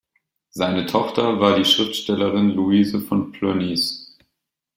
Seine Tochter war die Schriftstellerin Luise von Plönnies.